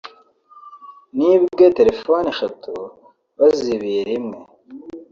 “Nibwe telefoni eshatu bazibiye rimwe